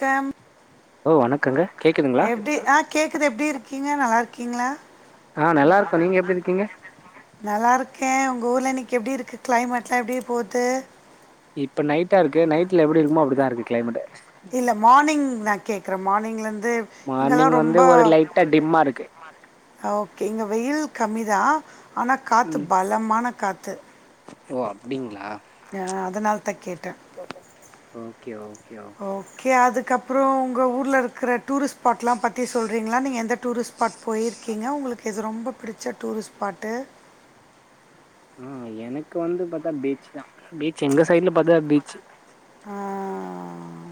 Come ஓ வணக்கங்க கேக்குதுங்களா எப்டி அ கேக்குது எப்டி இருக்கீங்க நல்லா இருக்கீங்களா அ நல்லா இருக்கோ நீங்க எப்டி இருக்கீங்க நல்லா இருக்கே உங்க ஊர்ல இன்னைக்கு எப்டி இருக்கு கெளைமேட் எல்லா எப்டி போகுது இப்ப நைட்டா இருக்கு நைட்ல எப்டி இருக்குமோ அப்டிதா இருக்கு கெளைமேட் இல்லை மார்னிங் நா கேக்றே மார்னிங்லேருந்து மார்னிங் இங்கெல்லாம் வந்து ரொம்ப ஒரு லைட்டா டிம்மா இருக்கு ஓகே இங்க வெயில் கம்மிதா ஆனா காத்து பலமான காத்து ஒ அப்டிங்களா ந அதனால தா கேட்டே ஓகே ஓகே ஓ ஓகே அதுக்கப்பறோ ஒங்க ஊரில இருக்கிற டூரிஸ்ட் ஸ்பாட்லா பத்தி சொல்றீங்களா நீங்க எந்த டூரிஸ்ட் ஸ்பாட் போயிருக்கீங்க உங்களுக்கு இது ரொம்ப பிடிச்ச டூரிஸ்ட் ஸ்பாட்டு மேம் எனக்கு வந்து பாத்தா பீச் தா பீச் எங்க சைடுல பாத்தா பீச்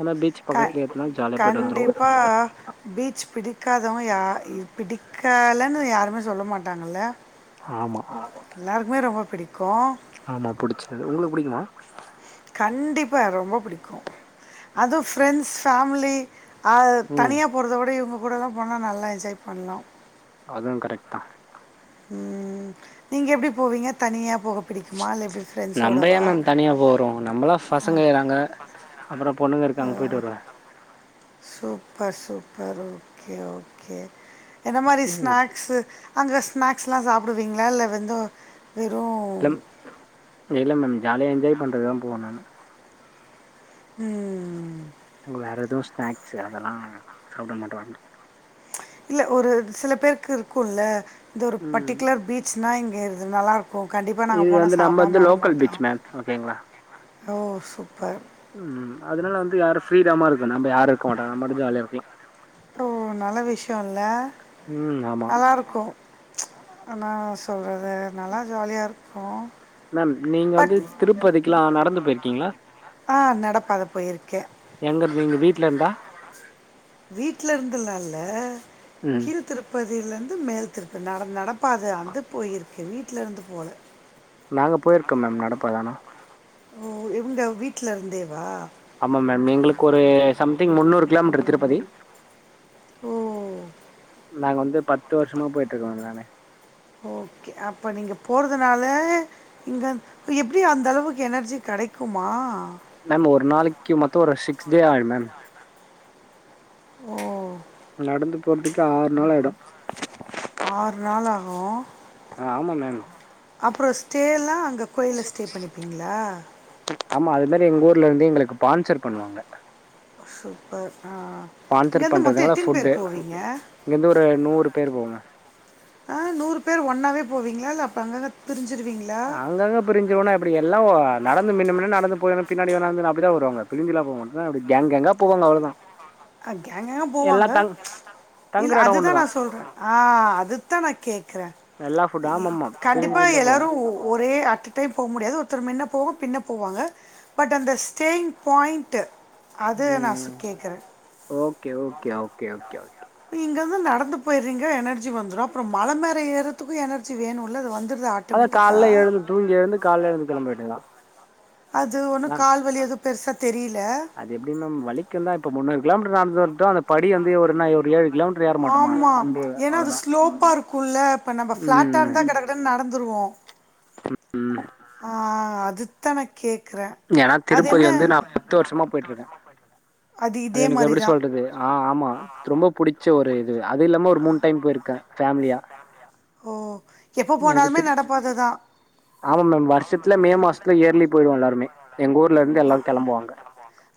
ஆனா பீச் பக்கத்துல இருக்னால ஜாலியா போயிட்டு வந்துருவோ அப்ப பீச் பிடிக்காதவங்க யா பிடிக்கலைன்னு யாருமே சொல்ல மாட்டாங்கல்ல ஆமா எல்லாருக்குமே ரொம்ப பிடிக்கு ஆமா புடிச்சது உங்களுக்கு புடிக்குமா கண்டிப்பா ரொம்ப பிடிக்கு அதுவு ஃப்ரெண்ட்ஸ் ஃபேமிலி அ ம் தனியா போறத விட இவங்க கூடலா போனா நல்லா என்ஜாய் பண்ணலா அதுவு கரைட் தா ம் நீங்க எப்டி போவீங்க தனியா போக பிடிக்குமா இல்லை எப்படி நம்ம ஏ ஃப்ரெண்ட்ஸோடவா மேம் தனியா போறோ நம்மளா பசங்க ஏறாங்க அப்பறோ பொண்ணுங்க இருக்காங்க போயிட்டு வருவே சூப்பர் சூப்பர் ஓகே ஓகே என்ன மாரி ம் ஸ்நாக்ஸ் அங்கே ஸ்நாக்ஸ்லா சாப்டுவீங்களா இல்ல வந்து வெறு இல்ல இல்ல மேம் ஜாலியா என்ஜாய் பண்றதுதா போவே நானு ம் அங்க வேற ஏதோ ஸ்நாக்ஸ் அதெல்லா சாப்ட மாட்றாங்க இல்ல ஒரு சில பேருக்கு இருக்கும்ல்ல இந்த ஒரு ம் பர்ட்டிகுலர் பீச்னா இங்க இது நல்லா இருக்கு ஓ கண்டிப்பா நாங்க இது போனா வந்து நம்ம வந்து சாப்டாம வர லோக்கல் மாட்டோ பீச் மேம் ஓகேங்களா ஓ சூப்பர் ம் அதனால வந்து யாரு ஃப்ரீடமா இருக்கு நம்ம யாரு இருக்க மாட்டோ நம்ம மட்டு ஜாலியா இருக்கலா ஓ நல்ல விஷயோ இல்ல ம் ஆமா நல்லா இருக்கு ஆனா சொல்ற அது நல்லா ஜாலியா இருக்கு மேம் நீங்க வந்து திருப்பதிக்குல்லா நடந்து போயிருக்கீங்களா ஆ நடப்பாதை போயிருக்கேன் எங்க இருந்து வீட்டுல இருந்தா வீட்ல இருந்துலா இல்ல ம் கீழ் திருப்பதியில இருந்து மேல் திருப்பதி நட நட அப்ப அது அந்து போயிருக்கு வீட்ல இருந்து போல நாங்க போயிருக்கோ மேம் நடப்பாதானா ஓ இவங்க வீட்ல இருந்தேவா ஆமா மேம் எங்களுக்கு ஒரு சம்திங் முன்னூறு கிலோமீட்டர் திருப்பதி ஓ நாங் வந்து பத்து வருஷமா போயிட்டு இருக்கோ மேம் நானு ஒகே அப்ப நீங்க போறதுனால இங்க எப்டி அந்த அளவுக்கு எனர்ஜி கெடைக்குமா மேம் ஒரு நாளைக்கு மத்தோ ஒரு சிக்ஸ் டே அயிடு மேம் ஓ நடந்து போறதுக்கே ஆறு நாள் ஆயிடு ஆறு நாள் ஆகு அ ஆமா மேம் அப்றோ ஸ்டேல்லா அங்க கோயில ஸ்டே பண்ணிப்பீங்ளா ஆமா அது மாதிரி எங்க ஊர்ல இருந்து எங்களுக்கு ஸ்பான்சர் பண்ணுவாங்க சூப்பர் ஆ ஸ்ஃபான்சர் இங்கேருந்து மொத்தம் பண்ணறதுனால எத்தனை ஃபுட்டு பேர் போவீங்க இங்கேருந்து ஒரு நூறு பேர் போவங்க ஆ நூறு பேர் ஒன்னாவே போவீங்ளா இல்ல அப்ப அங்க அங்க பிரிஞ்சடுவீங்ளா அங்கங்க பிரிஞ்சோனா எப்டி எல்ல நடந்து மின்ன மின்ன நட போனு பின்னாடி நடந்து அப்டிதா வருவாங்க பிரஞ்சுல போமாட்டாங்க கேங் கேங்கா போவாங்க அவ்ளோதா அ கேங் கேங்கா எல்லா போவாங்க தங் இல்ல தங்குற எடோ அதுதா நா ஒன்னுதா சொல்ற ஆ அதுதா நா கேக்ற எல்லா ஃபுட் ஆமாமா பிரிஞ்சு கண்டிப்பா பிரிஞ்சுதா எல்லாரு போவாங்க ஒரே ஆட் டன் டைம் போ முடியாது ஒருத்தர் முன்ன போவாங்க பின்ன போவாங்க பட் அந்த ஸ்டேயிங் பாயிண்ட்டு அது நா சு ம் கேக்ற ஓகே ஓகே ஓகே ஓகே இங்கயிருந்து நடந்து போயிறீங்க எனர்ஜி வந்துடு அப்றோ மல மேல ஏறதுக்கு எனர்ஜி வேணுல அது வந்துருதா அதா கால எழுந் தூங்கி எழுந்து கால எழுந்து கிளம்ப வேண்டிதா அது ஒன்னு கால்வலி எதுவு பெருசா தெரில அது எப்டி மேம் வலிக்கு தா இப்ப மூன்னாறு கிலோமீட்டர் நடந்து வந்டோ அந்த படி வந்து ஒரு என்ன ஒரு ஏழு கிலோமீட்டர் ஏறமாட் ஆமா ஏனா அது ஸ்லோப்பா இருக்குல இப்ப நம்ம ஃபிளாட்டா ம் இருந்தா கடக்கடானு நடந்துருவோ ம் ம் ஆ அது நா கேக்குறே ஏனா திருப்பதி என்ன வந்து நா பத்து வருஷமா போயிட்டு இருக்க இதே அது எனக்கு எப்டி மாரிதா சொல்றது ஆ ஆமா ரொம்ப புடிச்ச ஒரு இது அது இல்லாம ஒரு மூணு டைம் போயிருக்க ஃபேமிலியா ஓ எப்ப எனக்கு போனாலுமே திரு நடப்பாததா ஆமா மேம் வருஷத்துல மே மாசத்துல இயர்லி போயிடுவோ எல்லாருமே எங்க ஊர்ல இருந்து எல்லாரு கிளம்புவாங்க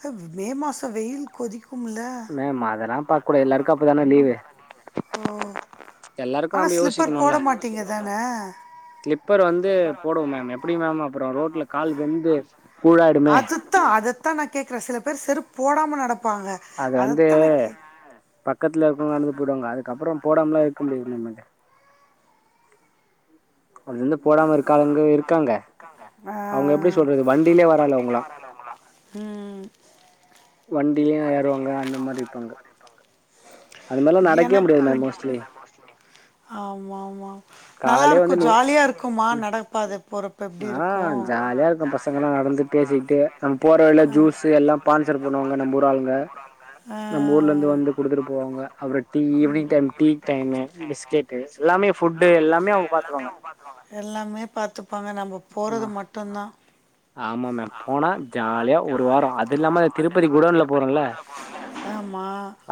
ஒ மே மாசம் வெயில் கொதிக்கும்ல மேம் அதலா பாக் கூடாது எல்லாருக்கு அப்பதான லீ்வு ஓ எல்லாருக்கு ஆனா நம்ப ஸ்லிப்பர் போட யோசிக்கணுல மாட்டீங்க தான ஸ்லிப்பர் வந்து போடுவோ மேம் எப்டி மேம் அப்றோ ரோட்ல கால் வெந்து கூழாயிடுமே த்தா அதத்தா நா கேக்குறே சில பேர் செருப் போடாம நடப்பாங்க அது வந்து அதத்தா நா கே பக்கத்துல இருக்கவங்க நடந்து போயிடுவாங்க அதுக்கப்பறோ போடாமலா இருக்க முடியாது மேம் எனக்கு அது வந்து போடாம இருக்க ஆளுங்களு இருக்காங்க ஆ அவங்க எப்டி சொல்றது வண்டியிலே வராலு அவங்களா ம் வண்டிலயு ஏறுவாங்க அந்த மாரி இருப்பாங்க அந்த மாரிலா நடக்கவே முடியாது எனக்கு மேம் மோஸ்ட்லி ஆமா ஆமா நல்லா காலையே இருக்கு வந்து நீ ஜாலியா இருக்குமா நடைப்பாத போற இப்ப எப்டி ஆ இருக்கு ம் ஜாலியா இருக்கு ஜாலியா பசங்கல்லா இருக்கு பசங்களா நடந்து பேசிட்டு நம்ப து எல்லா பான்சர் பண்ணுவாங்க நம்ம ஊர் ஆளுங்க நம்ம ஊர்ல இருந்து வந்து கொடுத்துட்டு போவாங்க அவர tea evening time tea time biscuit எல்லாமே ஃபுட்டு எல்லாமே அவங்க பாத்துருவாங்க எல்லாமே பாத்துப்பாங்க நம்ப போறது மட்டு தா ஆமா மேம் போனா ஜாலியா ஒரு வாரோ அது இல்லாம திருப்பதி குடோன்ல போறோல ஆமா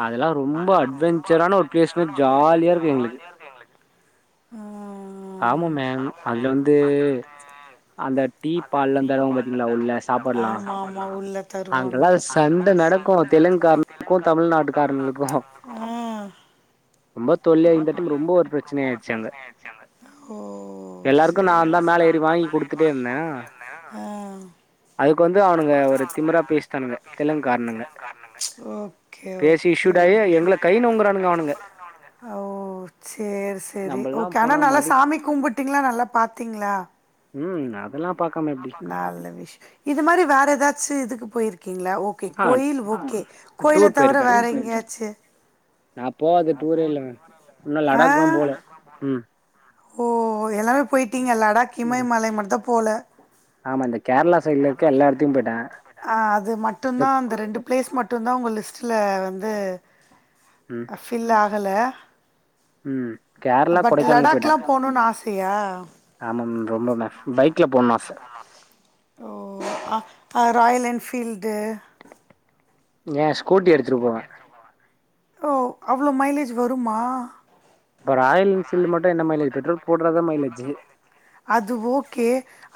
அதெல்லா ரொம்ப அட்வெஞ்சரான ஒரு பிளேஸ்ன்னே ஜாலியா இருக்கு எங்களுக்கு ம் ஆமா மேம் அது வந்து அந்த டீ பால்ல தருவாங்க பாத்தீங்களா உள்ள சாப்பாடுலா ஆமா ஆமா உள்ள த ருவாங்க அங்கெல்லா அங்கெல்லா சண்ட நடக்கு சண்ட நடக்கு தெலுங்காரனுக்கு தெலுங்காரனுக்கு தமிழ்நாட்டுக்காரனுக்கு தமிழ்நாட்டுக்காரனுக் ஆ தொல்லியா ரொம்ப இந்த டைம் தொல்லயா ரொம்ப ஒரு இருந்துட்டு இப்ப பிரச்சனை ரொம்ப ஒரு ஆயிடுச்சு அங்க பிரச்சன ஆயிடுச்சு அங்க ஓ எல்லாருக்கு நா செரி தா எல்லாருக்கு மேல நா ஏறி தா வாங்கி மேல ஏறி குடுத்துட்டே வாங்கி இருந்தே குடுத்துட்டே இருந்தே அ அதுக்கு வந்து அவனுங்க அதுக்கு வந்து ஒரு அவனுங்க திமிரா ஒரு திமிரா பேசிட்டானுங்க பேசிட்டானுங்க தெலுங்குக்காரனுங்க தெலுங்காரணுங்க பேசி ஓகே இஷுடாயி எங்கள கைனூங்குறானுங்க அவனுங்க ஓ சேரி சேரி நம்மல்லா ஓகே ஆனா போனா நல்லா மது சாமி கும்பிட் எல்லா நல்லா பாத்தீங்ளா ம் அதெல்லா பாக்காம எப்டி நாலு விஷ் இது மாரி வேற ஏதாச்சு இதுக்கு போயிருக்கீங்ளா ஓ கே ஆ கோயில் ஓகே கோயில டூர் தவிர போயிருக்கே வேற எங்கேயாச்சு நா போவாத டூரே இல்லங்க இன்னு ஆ லடாக் தா போல ம் ஓ எல்லாமே போயிட்டீங்க லடாக் ம் இமயமலை மட்டு போல ஆமா இந்த கேரளா அந்த சைட்ல கேரளா இருக்க கோயில்ல இருக்கிற போயிட்டே எல்லா எடத்துக்கு போயிட்டே ஆ அது இந்த மட்டுதா அந்த ரெண்டு பிளேஸ் மட்டு தா உங்க லிஸ்ட்ல வந்து ம் ஃபில் ஆகல ம் கேரளா கொடைக்கானல் பொய் டூர் போணுன்னு ஆசையா ஆமா மேம் ரொம்ப மேம் பைக்ல போணு ஆச ஆ ஓ அ ராயல் என்ஃபீல்டு ஏ ஸ்கூட்டி எடுத்துட்டு போவே ஓ அவ்ளோ மைலேஜ் வருமா இப்போ ராயல் என்ஃபீல்டு மட்டு என்ன மைலஜ் பெட்ரோல் போட்றதா மைலேஜ் அது ஓகே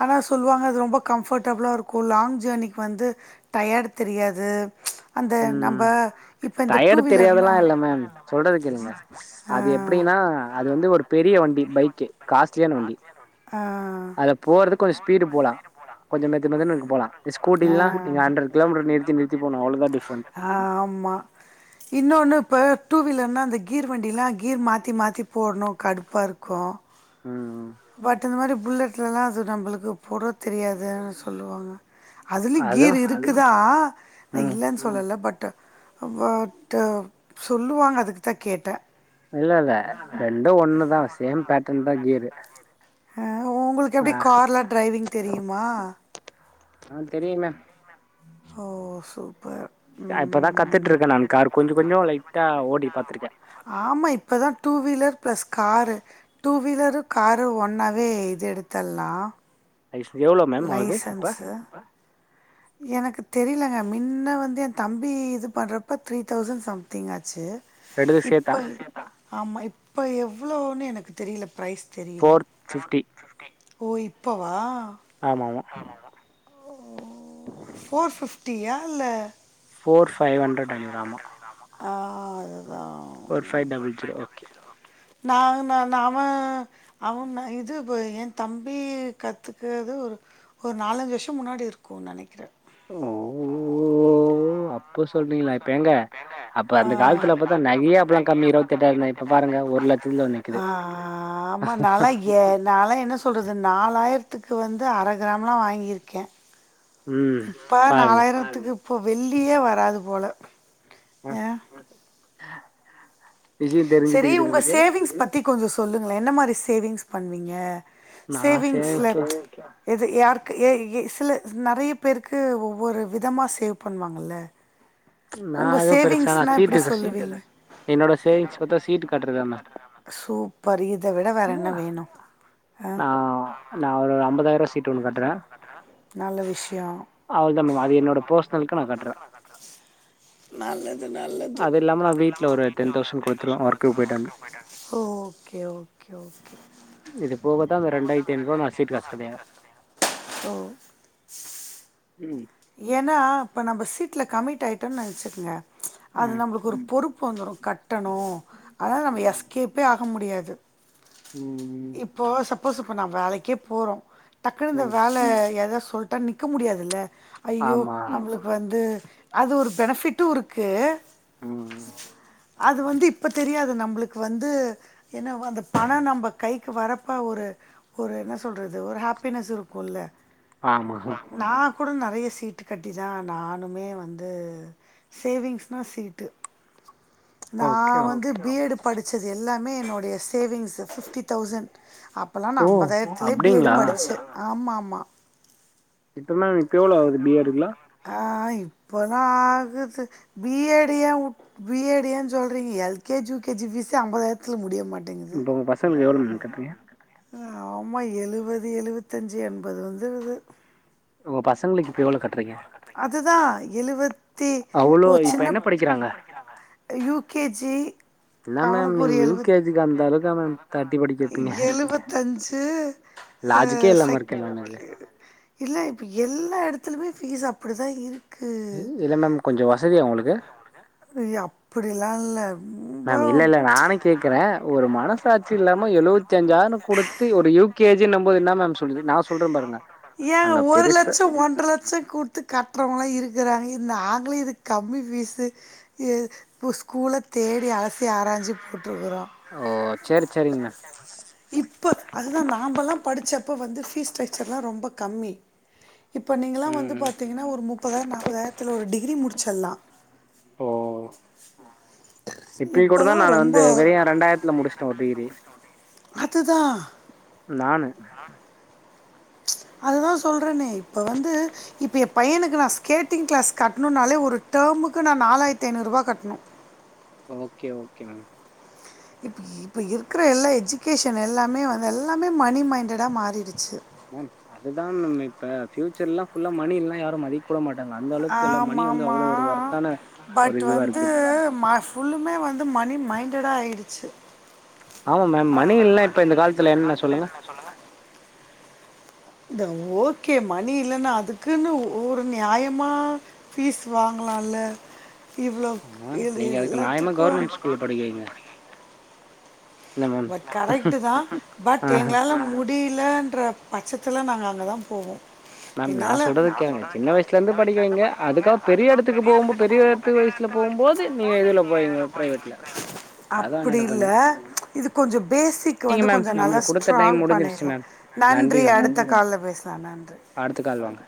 ஆனா சொல்லுவாங்க அது ரொம்ப கம்ஃபர்ட்டபுளா இருக்கு லாங் ஜேர்னிக்கு வந்து டயர்டு தெரியாது ச் ம் டயர்டு வீலர்னா தெரியாதெல்லா இல்ல மேம் சொல்றத கேளுங்க அது ஆ எப்டின்னா அது வந்து ஒரு பெரிய வண்டி பைக்கு காஸ்ட்லியான வண்டி ஆ அத போறதுக்கு கொஞ்ச ஸ்பீடு போலா கொஞ்ச மெது மெதுனுறுக்கு போலா ஆ ஸ்கூட்டிலல்லா நீங்க ஹண்ரட் கிலோமீட்டர் நிறுத்தி போனும் அவ்ளோ தா டிஃப்ரண்ட் ஆ ஆம்மா இன்னொன்னு இப்போ டூ வீலர்னா அந்த கீர் வண்டிலா கீர் மாத்தி மாத்தி போட்ணு கடுப்பாருக்கு ம் ம் பட் இந்த மாரி புல்லெட்லலா அது நம்மளுக்கு போட தெரியாதுன்னு சொல்லுவாங்க அதுலய் அது கீர் இருக்குதா நா ம் இல்லன்னு சொ சொல்லல பட்டு் பட்டு சொல்லுவாங்க அதுக்கு தா கேட்டே இல்லல்ல ரெண்டு ஒண்ணுதா சேம் பேட்டன் தா கீரு ஆ ஒங்களுக்கு எப்டி கார்லா ட்ரைவிங் தெரியுமா ஆ தெரியுமே ஓ சு அ இப்ப தா கத்துட்ருக்கே நான் கார் கொஞ்ச கொஞ்ச லைட்டா ஓட்டி பாத்துருக்கே ஆமா இப்பதா two wheeler plus car two wheeler car ஒண்ணாவே இது எடுத்தல்லா ஐ விஸ் எவ்ளோ மேம் ஆவுது இப்ப எனக்கு தெரிலங்க மின்ன வந்து எ தம்பி இது பண்றப்ப த்ரீ தௌசண்ட் சம்திங் ஆச்சு ரெண்டுது சேத்தா இப்ப ஆமா இப்ப எவ்ளோன்னு எனக்கு தெரில பிரைஸ் தெரியல ஃபோர் ஃபிஃப்டி ஓ இப்பவா ஆமாமா ஃபோர் பிஃப்டியா இல்ல போர் ஃபைவ் ஹண்ட்ரட் நெனக்கிறே ஆமா ஆ அதுதா four five double zero okay நான் நா நாம அவ இது எ தம்பி கத்துக்கிறது ஒரு ஒரு நாலஞ்சு வர்ஷொ முன்னாடி இருக்குனு நெனக்கிற ஓ அப்போ சொல்றீங்ளா இப்ப ஏங்க அப்ப ஆ. அந்த காலத்துல பத்தா நகையே அப்பல்லா கம்மி இருவத்தெட்டாயரந்தா ஆ ஆ ஆமா நாளை ஏ நால என்ன சொல்றது நாலாயிரத்துக்கு வந்து அரை கிராம்லா வாங்கி இருக்கே ம். இப்ப பாருங்க. நாலாயிரத்துக்கு இப்ப வெள்ளியே வராது போல ஆ விஷயொ தெரிஞ்சுட்டுக்குது உங்களுக்கு த்தி கொஞ்ச சொல்லுங்ளே என்ன மாரி சேவிங்ஸ் பண்ணுவீங்க நான் சேவிங்ஸ்ல சேமிக்கலாம். எது யாருக்கு ஏய் இ சில நெறைய பேருக்கு ஒவ்வொரு விதமா சேவ் பண்ணுவாங்கல்ல நா உங்க எதும் பெருசா சேவிங்ஸ்னா சீட்டு எப்டி கஸ் சொல்லுவீங்க என்னோட சேவிங்ஸ் பத்தா சீட்டு கட்றதா மேம் சூப்பர் இத விட வேறென்ன வேணு ஆ நா நா ஒரு ஐம்பதாயிர்ரூவா சீட்டு ஒண்ணு கட்றே நல்ல விஷ்யொ என்னோட பெர்சனலுக்கு நான் கட்டுறேன். நல்ல து நல்லது அதும் இல்லாம வீட்ல ஒரு டென் குடுத்துருவேன் தௌசன்ட் ஒர்க்குக்கு ஒர்த்தான போயிட்டு வந்தா. ஒர்க் போய்ட்டாங்க ஓ ஓகே ஓ ஓகே ஓகே இது போவதா அந்த இரண்டாயிரத்துஐநூருபா நா சீட்டு காசு கட்டிற்றே ஓ ம் ஏன்னா இப்போ நம்ப சீட்டுல கமிட் ஆயிட்டோம்னு நெனச்சுக்கோங்க அது ம் நம்பளுக்கு ஒரு பொறுப்பு வந்துரும் கட்டணும் அதனால நம்ம ம் எஸ்கேப்பே ஆக முடியாது ம் இப்போ சப்போஸ் இப்ப நான் வேலைக்கே போறோம் டக்குன்னு இந்த ம் வேல ஏதா சொல் நிக்க முடியாதுல்ல ஐயோ ஆமா நம்பளுக்கு வந்து அது ஒரு பெனிஃபிட்டு இருக்கு ம் அது வந்து இப்ப தெரியாது நம்பளுக்கு வந்து ஏன்னா வந் அந்த பண நம்ப கைக்கு வரப்பா ஒரு ஒரு என்ன சொல்றது ஒரு ஹாப்பினஸ் இருக்கு ம்ல ஆமஹன் நான் கூட நறைய சீட்டு கட்டி தான் நானுமே வந்து சேவிங்ஸ்னா சீட்டு நா ஓகே ஓகே வந்து பி எடு படிச்சது எல்லாமே என்னுடைய சேவிங்ஸு ஃபிப்டி தௌசண்ட் அப் அப்பலாம் ஓ நான் ஐம்பதாயிரத்துலே பி எட் அப்டிங்களா படிச்சேன் ஆமா ஆமா இப்பலா இப்ப எவளோ ஆகுது பி ஏடுக்குலாம் ஆ இப்போ தான் ஆகுது பி ஏடு ஏன் உ பி ஏடு ஏன் சொல்றிங்க L K G U K G பீஸே ஐம்பதாயிரத்துல முடிய மாட் இப்ப உங்க பசங்களுக்கு எவ்ளோ மேம் கட்டுறிங்க ஆரமா எழுவது எழுவத்தஞ்சி எம்பது வந்துருது உங்க பசங்களுக்கு இப்போ எவ்ளோ கட்டுறீங்க அதுதான் எழுவத்தி அவ்ளோ ஒ இப்ப சின்ன என்ன படிக்கிறாங்க யு கே ஜி அவனுக்கு ஒரு எழு இதுக்கு அந்தலவுக்கா மேம் தட்டி படிக்க வைப்பீங்க எழுவத்தஞ்சு ஆ லாஜிக்கே இல்லாம செக் இருக்கே நானு இது இல்ல இப்ப எல்லா எடத்துலயுமே ஃபீஸ் அப்டி தான் இரு இல்ல மேம் கொஞ்சம் வசதியா உங்களுக்கு அய்யோ அப்டிலா இல்ல மேம் இல்ல இல்ல ரொம்ப நானும் கேக்குறேன் ஒரு மனசாட்சி இல்லாம எழுவத் எழுவத்தஞ்சாயிரம் குடுத்து ஒரு யு கே ஜின் போது என்னா மேம் சொல்றி நான் சொல்றேன் பாருங்க அங்க பெருசா ஒன்ர லட்சம் கு குடுத்து கட்டுறவங்கலாம் இருக்கறாங்க இது நாங்களே இது கம்மி ஃபீஸு எ இப்போ ஸ்கூல தேடி அலசி ஆராஞ்சி போட்டுருக்குறோம் ஓ சேரி சேரிங்க இப்ப அதுதான் நாம்பலாம் படிச்சப்ப வந்து பீஸ் ஸ்ட்க்சர்லாம் ரொம்ப கம்மி இப்ப நீங்கலாம் மேம் வந்து ம் பாத்தீங்கன்னா ஒரு முப்பதாயிரம் நாப்பதாயிரத்துல ஒரு டிகிரி முடிச்சிரலாம் ஓ இப்பயும் கூட தான் இப்பல்லா நானு ரொம்ப வந்து வெறும் ரெண்டாயிரத்துல முடிச்சுட்டேன் ஒரு டிகிரி அதுதான் நானு நானு அதுதான் சொல்றேனே இப்ப வந்து இப்ப என் பையனுக்கு நான் ஸ்கேட்டிங் கிளாஸ் கட்டணும்னாலே ஒரு டெர்முக்கு நான் நாலாயிரத்து ஐநூறு ரூவா கட்ணும் ஓகே ஓகே மேம் இப்ப இப்ப இருக்கற எல்லா எஜ்கேஷன் எல்லாமே வந்து எல்லாமே மணி மைண்ட்டடா மாறிருச்சு மேம் அதுதான் மேம் இப்ப ஃபியூச்சர்ல்லாம் ஃபுல்லா மணி இல்லனா யாரும் மதி கூட மாட்டாங்க அந்த அளவுக்கு எல்லாம் மணி வந்து ஆமாம்மா அவ்ளோ ஒரு ஒருத்தான ஒரு பட் இதுவா வந்து இருக்கு ம ஃபுல்லுமே வந்து மணி மைண்ட்டடா ஆயிடுச்சு ஆமா மேம் மணி இல்லனா இப்ப இந்த கால்த்துல என்னன்ன சொல்லுங்க சொல்லுங்க இந்த ஓகே மணி இல்லன்னா அதுக்குன்னு ஓர் நியாயமா பீஸ் வாங்கலால்ல இவ்ளோக் ஆமா இது நீங்க இது அதுக்கு நியாயமா எல்லாத்துக்கு கவர்மெண்ட் ஸ்கூல்ல படிக்க வைங்க என்ன மேம் பட் கரெக்ட் தா பட் ஆஹ எங்ளால முடிலன்ற பச்சத்துல நாங்க அங்கதா போவோ மேம் நா சொல்றத கேளுங்க சின்ன வயசுலருந்து படிக்க வைங்க அதுக்காவ் பெரியெடத்துக்கு போம்பு பெரிய பத்து வயசுல போம்போது நீங்க இதுல போவிங்க பிரைவேட்ல அதா அப்படி நடக்கு இனி இல்லை இது கொஞ்சோ பேசிக் வந்து கொஞ்சோ நல்லா நம்மளுக்கு குடுத்த ஸ்ட்ராங் டைம் முடிஞ்சிருச்சு பண்ணிர்லா மேம் நன்றி மேம் அடுத்த கால்ல பேசலா நன்றி அடுத்த கால் வாங்க